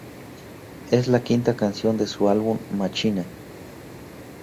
Es la quinta canción de su álbum Machine.